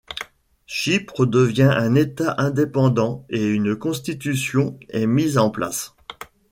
Chypre devient un État indépendant et une Constitution est mise en place.